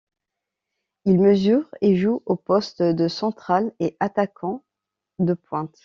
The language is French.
Il mesure et joue aux postes de central et attaquant de pointe.